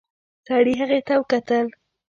سړي هغې ته وکتل.